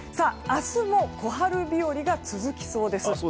明日も小春日和が続きそうです。